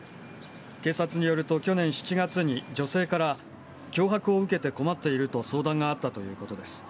警察によると去年７月に女性から、脅迫を受けて困っていると相談があったということです。